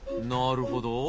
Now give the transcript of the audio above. なるほど。